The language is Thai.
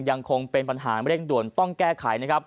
ยังคงเป็นปัญหาเร่งด่วนต้องแก้ไขนะครับ